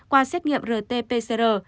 qua xét nghiệm rt pcr